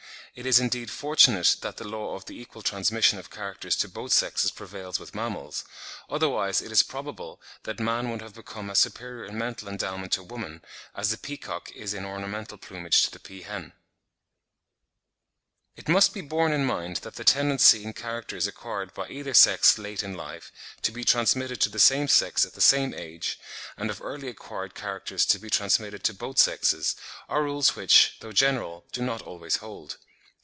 It is, indeed, fortunate that the law of the equal transmission of characters to both sexes prevails with mammals; otherwise, it is probable that man would have become as superior in mental endowment to woman, as the peacock is in ornamental plumage to the peahen. It must be borne in mind that the tendency in characters acquired by either sex late in life, to be transmitted to the same sex at the same age, and of early acquired characters to be transmitted to both sexes, are rules which, though general, do not always hold.